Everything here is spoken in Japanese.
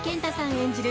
演じる